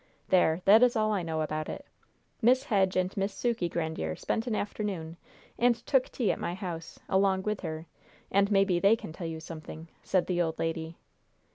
There, that is all I know about it! Miss Hedge and Miss Sukey Grandiere spent an afternoon and took tea at my house, along with her, and maybe they can tell you something," said the old lady.